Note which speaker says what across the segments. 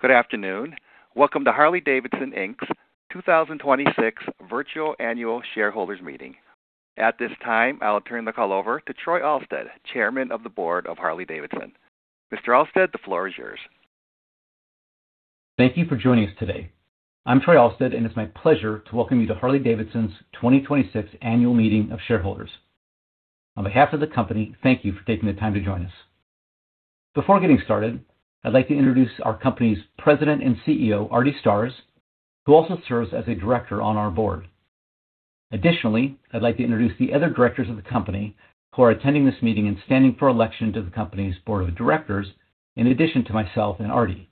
Speaker 1: Good afternoon. Welcome to Harley-Davidson, Inc.'s 2026 Virtual Annual Shareholders Meeting. At this time, I'll turn the call over to Troy Alstead, Chairman of the Board of Harley-Davidson. Mr. Alstead, the floor is yours.
Speaker 2: Thank you for joining us today. I'm Troy Alstead, and it's my pleasure to welcome you to Harley-Davidson's 2026 Annual Meeting of Shareholders. On behalf of the company, thank you for taking the time to join us. Before getting started, I'd like to introduce our company's President and CEO, Artie Starrs, who also serves as a director on our board. Additionally, I'd like to introduce the other directors of the company who are attending this meeting and standing for election to the company's board of directors, in addition to myself and Artie.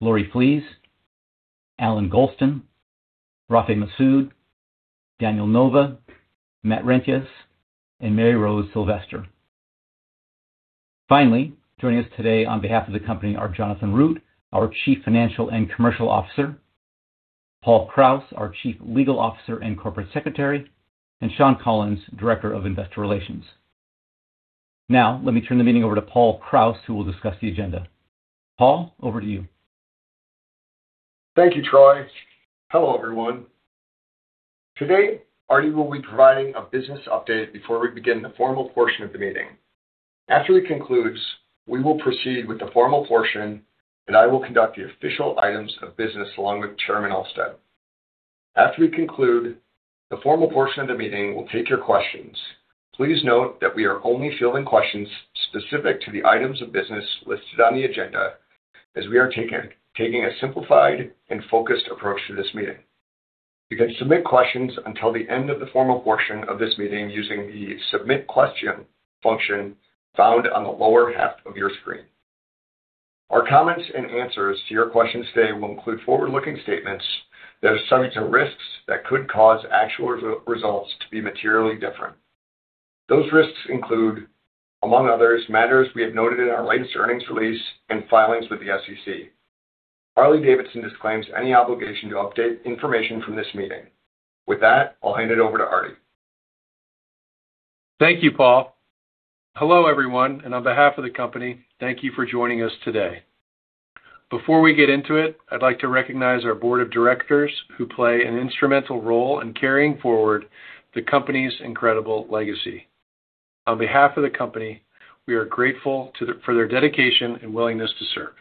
Speaker 2: Lori Flees, Allan Golston, Rafeh Masood, Daniel Nova, Matt Reintjes, and Maryrose Sylvester. Finally, joining us today on behalf of the company are Jonathan Root, our Chief Financial and Commercial Officer, Paul Krause, our Chief Legal Officer and Corporate Secretary, and Shawn Collins, Director of Investor Relations. Let me turn the meeting over to Paul Krause, who will discuss the agenda. Paul, over to you.
Speaker 3: Thank you, Troy. Hello, everyone. Today, Artie will be providing a business update before we begin the formal portion of the meeting. After he concludes, we will proceed with the formal portion, and I will conduct the official items of business along with Chairman Alstead. After we conclude the formal portion of the meeting, we'll take your questions. Please note that we are only fielding questions specific to the items of business listed on the agenda, as we are taking a simplified and focused approach to this meeting. You can submit questions until the end of the formal portion of this meeting using the Submit Question function found on the lower half of your screen. Our comments and answers to your questions today will include forward-looking statements that are subject to risks that could cause actual results to be materially different. Those risks include, among others, matters we have noted in our latest earnings release and filings with the SEC. Harley-Davidson disclaims any obligation to update information from this meeting. With that, I'll hand it over to Artie.
Speaker 4: Thank you, Paul. Hello, everyone, and on behalf of the company, thank you for joining us today. Before we get into it, I'd like to recognize our board of directors who play an instrumental role in carrying forward the company's incredible legacy. On behalf of the company, we are grateful for their dedication and willingness to serve.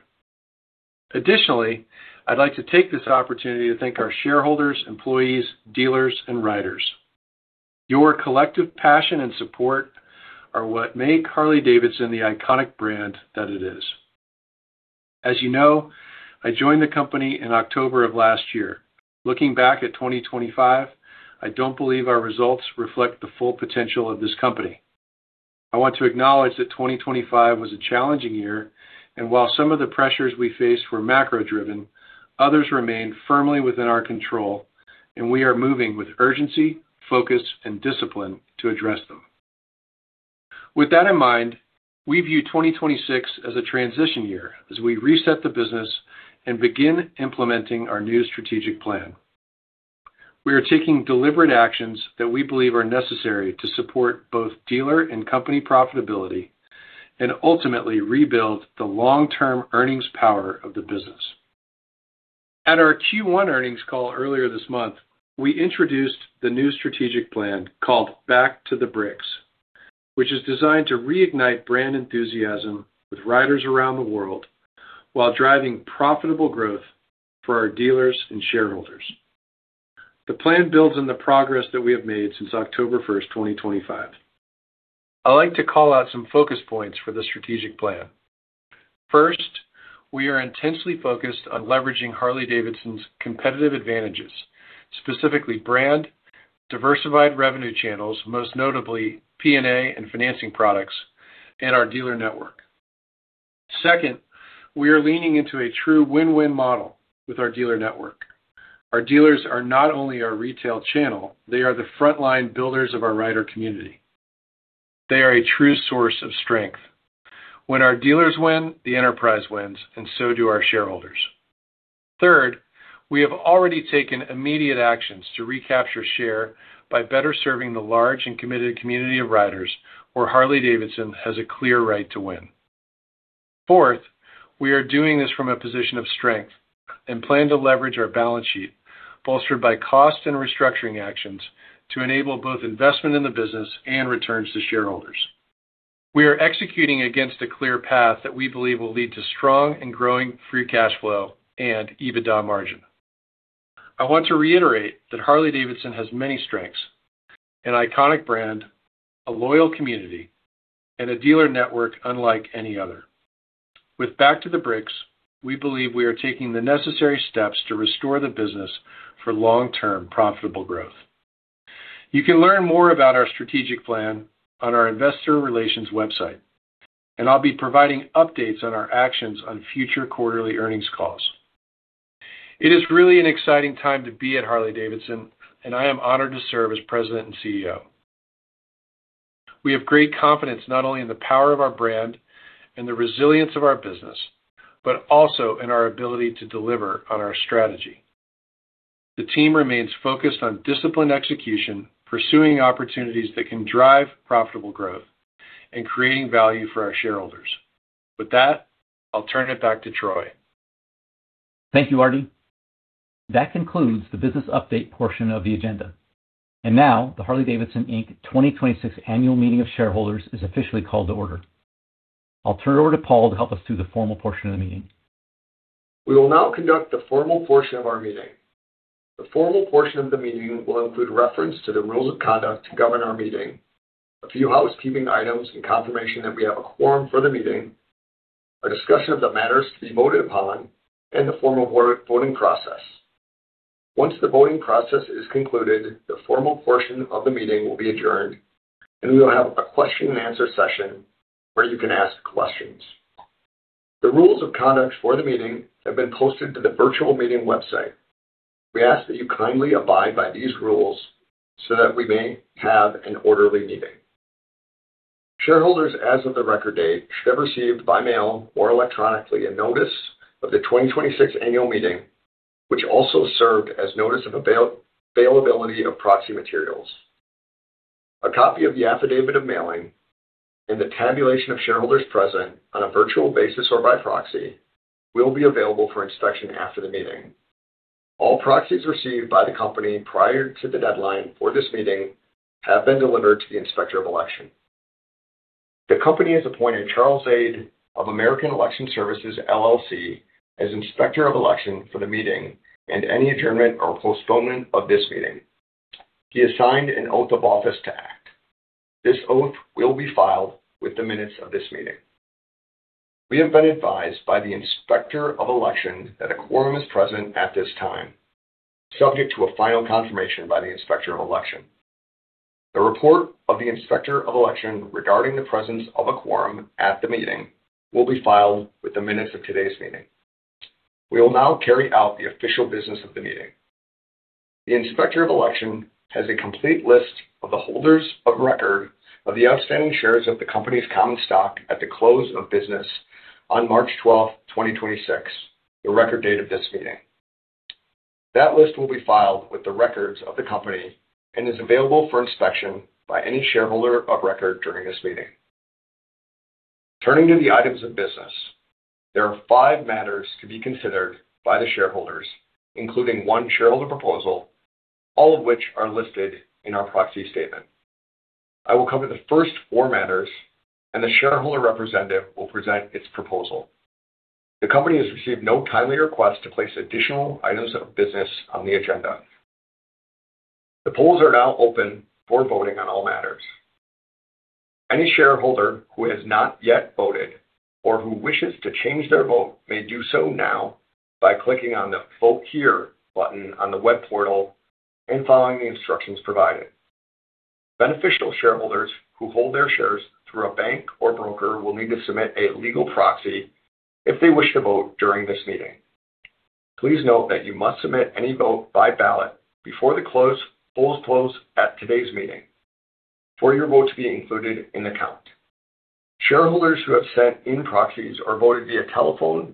Speaker 4: Additionally, I'd like to take this opportunity to thank our shareholders, employees, dealers, and riders. Your collective passion and support are what make Harley-Davidson the iconic brand that it is. As you know, I joined the company in October of last year. Looking back at 2025, I don't believe our results reflect the full potential of this company. I want to acknowledge that 2025 was a challenging year, and while some of the pressures we faced were macro-driven, others remained firmly within our control, and we are moving with urgency, focus, and discipline to address them. With that in mind, we view 2026 as a transition year as we reset the business and begin implementing our new strategic plan. We are taking deliberate actions that we believe are necessary to support both dealer and company profitability, and ultimately rebuild the long-term earnings power of the business. At our Q1 earnings call earlier this month, we introduced the new strategic plan called Back to the Bricks, which is designed to reignite brand enthusiasm with riders around the world while driving profitable growth for our dealers and shareholders. The plan builds on the progress that we have made since October 1st, 2025. I'd like to call out some focus points for the strategic plan. First, we are intensely focused on leveraging Harley-Davidson's competitive advantages, specifically brand, diversified revenue channels, most notably P&A and financing products, and our dealer network. Second, we are leaning into a true win-win model with our dealer network. Our dealers are not only our retail channel, they are the frontline builders of our rider community. They are a true source of strength. When our dealers win, the enterprise wins, and so do our shareholders. Third, we have already taken immediate actions to recapture share by better serving the large and committed community of riders where Harley-Davidson has a clear right to win. Fourth, we are doing this from a position of strength and plan to leverage our balance sheet, bolstered by cost and restructuring actions, to enable both investment in the business and returns to shareholders. We are executing against a clear path that we believe will lead to strong and growing free cash flow and EBITDA margin. I want to reiterate that Harley-Davidson has many strengths: an iconic brand, a loyal community, and a dealer network unlike any other. With Back to the Bricks, we believe we are taking the necessary steps to restore the business for long-term profitable growth. You can learn more about our strategic plan on our investor relations website, and I'll be providing updates on our actions on future quarterly earnings calls. It is really an exciting time to be at Harley-Davidson, and I am honored to serve as President and CEO. We have great confidence not only in the power of our brand and the resilience of our business, but also in our ability to deliver on our strategy. The team remains focused on disciplined execution, pursuing opportunities that can drive profitable growth and creating value for our shareholders. With that, I'll turn it back to Troy.
Speaker 2: Thank you, Artie. That concludes the business update portion of the agenda. Now the Harley-Davidson, Inc., 2026 Annual Meeting of Shareholders is officially called to order. I'll turn it over to Paul to help us through the formal portion of the meeting.
Speaker 3: We will now conduct the formal portion of our meeting. The formal portion of the meeting will include reference to the rules of conduct to govern our meeting, a few housekeeping items and confirmation that we have a quorum for the meeting, a discussion of the matters to be voted upon, and the formal voting process. Once the voting process is concluded, the formal portion of the meeting will be adjourned, and we will have a question and answer session where you can ask questions. The rules of conduct for the meeting have been posted to the virtual meeting website. We ask that you kindly abide by these rules so that we may have an orderly meeting. Shareholders, as of the record date, should have received by mail or electronically a notice of the 2026 annual meeting, which also served as notice of availability of proxy materials. A copy of the affidavit of mailing and the tabulation of shareholders present on a virtual basis or by proxy will be available for inspection after the meeting. All proxies received by the company prior to the deadline for this meeting have been delivered to the Inspector of Election. The company has appointed Charles Zade of American Election Services, LLC, as Inspector of Election for the meeting and any adjournment or postponement of this meeting. He has signed an oath of office to act. This oath will be filed with the minutes of this meeting. We have been advised by the Inspector of Election that a quorum is present at this time, subject to a final confirmation by the Inspector of Election. The report of the Inspector of Election regarding the presence of a quorum at the meeting will be filed with the minutes of today's meeting. We will now carry out the official business of the meeting. The Inspector of Election has a complete list of the holders of record of the outstanding shares of the company's common stock at the close of business on March 12th, 2026, the record date of this meeting. That list will be filed with the records of the company and is available for inspection by any shareholder of record during this meeting. Turning to the items of business, there are five matters to be considered by the shareholders, including one shareholder proposal, all of which are listed in our proxy statement. I will cover the first four matters, and the shareholder representative will present its proposal. The company has received no timely request to place additional items of business on the agenda. The polls are now open for voting on all matters. Any shareholder who has not yet voted or who wishes to change their vote may do so now by clicking on the Vote Here button on the web portal and following the instructions provided. Beneficial shareholders who hold their shares through a bank or broker will need to submit a legal proxy if they wish to vote during this meeting. Please note that you must submit any vote by ballot before the polls close at today's meeting for your vote to be included in the count. Shareholders who have sent in proxies or voted via telephone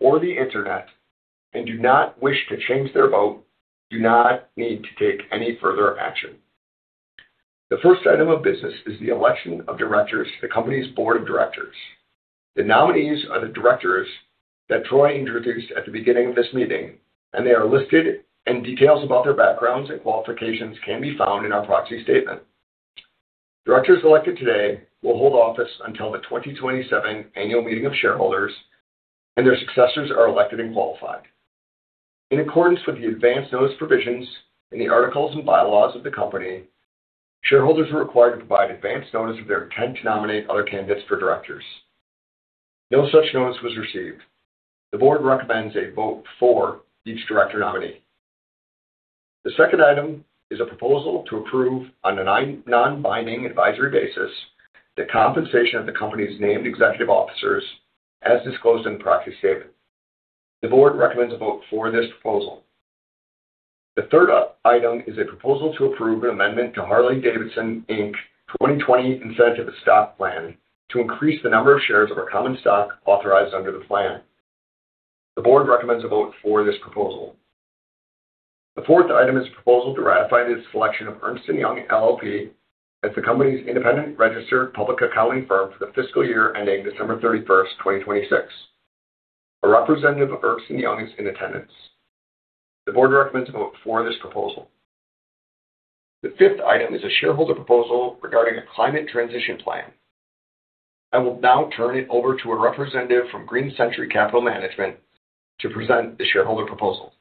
Speaker 3: or the internet and do not wish to change their vote do not need to take any further action. The first item of business is the election of directors to the company's board of directors. The nominees are the directors that Troy introduced at the beginning of this meeting, and they are listed, and details about their backgrounds and qualifications can be found in our proxy statement. Directors elected today will hold office until the 2027 Annual Meeting of Shareholders, and their successors are elected and qualified. In accordance with the advance notice provisions in the articles and bylaws of the company, shareholders are required to provide advance notice of their intent to nominate other candidates for directors. No such notice was received. The board recommends a vote for each director nominee. The second item is a proposal to approve, on a non-binding advisory basis, the compensation of the company's named executive officers as disclosed in the proxy statement. The board recommends a vote for this proposal. The third item is a proposal to approve an amendment to Harley-Davidson, Inc., 2020 Incentive and Stock Plan to increase the number of shares of our common stock authorized under the plan. The board recommends a vote for this proposal. The fourth item is a proposal to ratify the selection of Ernst & Young LLP as the company's independent registered public accounting firm for the fiscal year ending December 31st, 2026. A representative of Ernst & Young is in attendance. The board recommends a vote for this proposal. The fifth item is a shareholder proposal regarding a climate transition plan. I will now turn it over to a representative from Green Century Capital Management to present the shareholder proposal.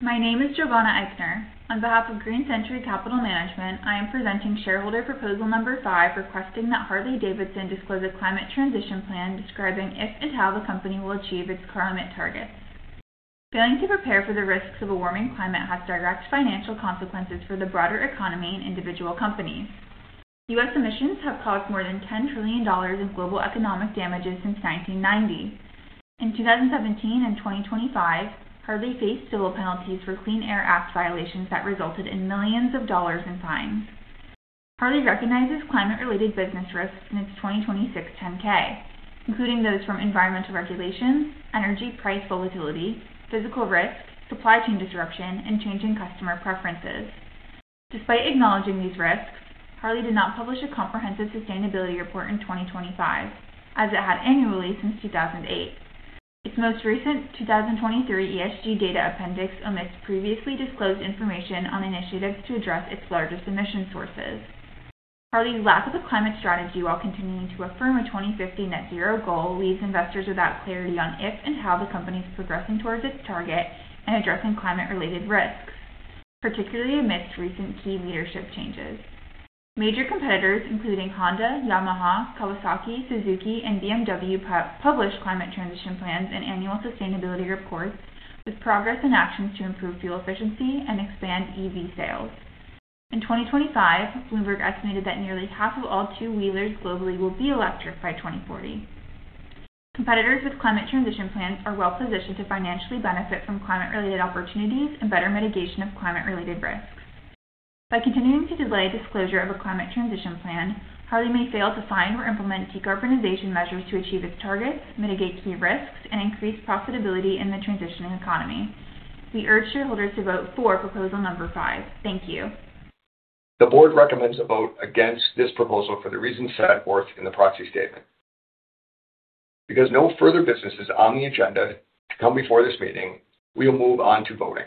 Speaker 5: My name is Giovanna Eichner. On behalf of Green Century Capital Management, I am presenting shareholder proposal number five, requesting that Harley-Davidson disclose a climate transition plan describing if and how the company will achieve its climate targets. Failing to prepare for the risks of a warming climate has direct financial consequences for the broader economy and individual companies. U.S. emissions have caused more than $10 trillion in global economic damages since 1990. In 2017 and 2025, Harley faced civil penalties for Clean Air Act violations that resulted in millions of dollars in fines. Harley recognizes climate-related business risks in its 2026 10-K, including those from environmental regulations, energy price volatility, physical risk, supply chain disruption, and changing customer preferences. Despite acknowledging these risks, Harley did not publish a comprehensive sustainability report in 2025, as it had annually since 2008. Its most recent 2023 ESG data appendix omits previously disclosed information on initiatives to address its largest emission sources. Harley's lack of a climate strategy while continuing to affirm a 2050 net zero goal leaves investors without clarity on if and how the company's progressing towards its target and addressing climate-related risks, particularly amidst recent key leadership changes. Major competitors, including Honda, Yamaha, Kawasaki, Suzuki, and BMW, published climate transition plans and annual sustainability reports with progress and actions to improve fuel efficiency and expand EV sales. In 2025, Bloomberg estimated that nearly half of all two-wheelers globally will be electric by 2040. Competitors with climate transition plans are well-positioned to financially benefit from climate-related opportunities and better mitigation of climate-related risks. By continuing to delay disclosure of a climate transition plan, Harley may fail to find or implement decarbonization measures to achieve its targets, mitigate key risks, and increase profitability in the transitioning economy. We urge shareholders to vote for proposal number five. Thank you.
Speaker 3: The board recommends a vote against this proposal for the reasons set forth in the proxy statement. Because no further business is on the agenda to come before this meeting, we will move on to voting.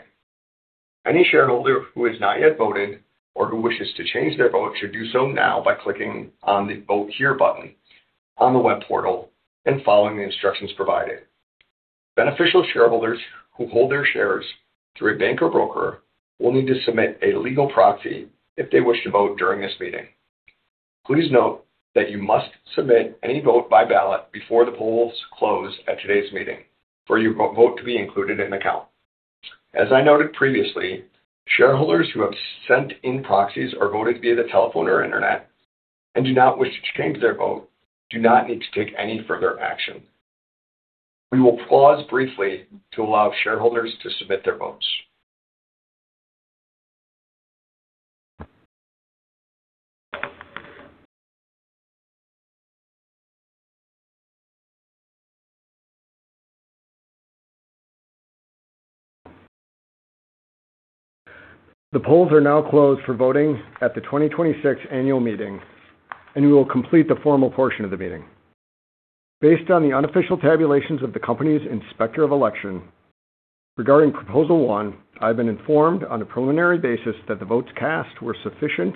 Speaker 3: Any shareholder who has not yet voted or who wishes to change their vote should do so now by clicking on the Vote Here button on the web portal and following the instructions provided. Beneficial shareholders who hold their shares through a bank or broker will need to submit a legal proxy if they wish to vote during this meeting. Please note that you must submit any vote by ballot before the polls close at today's meeting for your vote to be included in the count. As I noted previously, shareholders who have sent in proxies or voted via the telephone or internet and do not wish to change their vote do not need to take any further action. We will pause briefly to allow shareholders to submit their votes. The polls are now closed for voting at the 2026 annual meeting, and we will complete the formal portion of the meeting. Based on the unofficial tabulations of the company's inspector of election, regarding proposal one, I have been informed on a preliminary basis that the votes cast were sufficient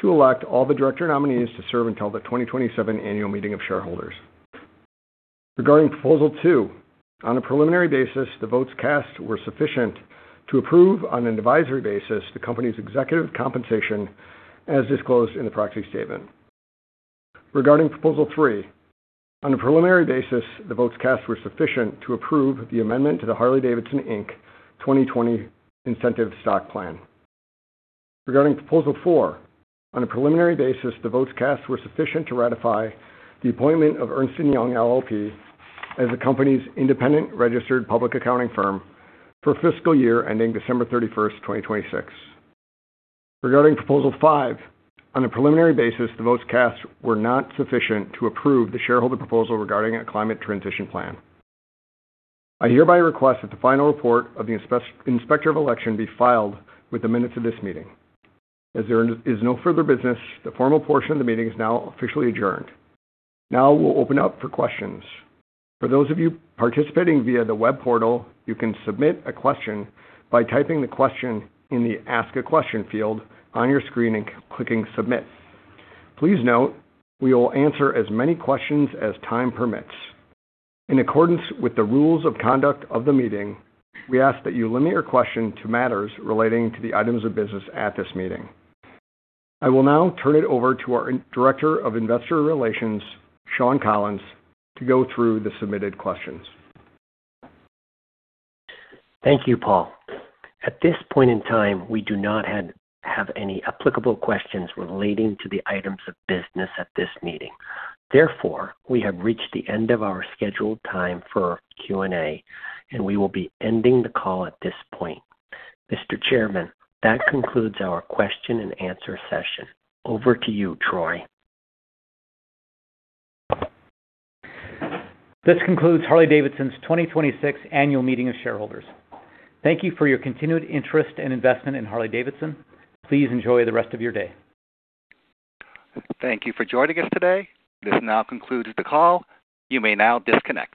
Speaker 3: to elect all the director nominees to serve until the 2027 annual meeting of shareholders. Regarding proposal two, on a preliminary basis, the votes cast were sufficient to approve on an advisory basis the company's executive compensation as disclosed in the proxy statement. Regarding proposal three, on a preliminary basis, the votes cast were sufficient to approve the amendment to the Harley-Davidson, Inc. 2020 Incentive Stock Plan. Regarding proposal four, on a preliminary basis, the votes cast were sufficient to ratify the appointment of Ernst & Young LLP as the company's independent registered public accounting firm for fiscal year ending December 31st, 2026. Regarding proposal five, on a preliminary basis, the votes cast were not sufficient to approve the shareholder proposal regarding a climate transition plan. I hereby request that the final report of the inspector of election be filed with the minutes of this meeting. As there is no further business, the formal portion of the meeting is now officially adjourned. Now we'll open up for questions. For those of you participating via the web portal, you can submit a question by typing the question in the Ask a Question field on your screen and clicking Submit. Please note, we will answer as many questions as time permits. In accordance with the rules of conduct of the meeting, we ask that you limit your question to matters relating to the items of business at this meeting. I will now turn it over to our Director of Investor Relations, Shawn Collins, to go through the submitted questions.
Speaker 6: Thank you, Paul. At this point in time, we do not have any applicable questions relating to the items of business at this meeting. Therefore, we have reached the end of our scheduled time for Q&A, and we will be ending the call at this point. Mr. Chairman, that concludes our question and answer session. Over to you, Troy.
Speaker 2: This concludes Harley-Davidson's 2026 annual meeting of shareholders. Thank you for your continued interest and investment in Harley-Davidson. Please enjoy the rest of your day.
Speaker 1: Thank you for joining us today. This now concludes the call. You may now disconnect.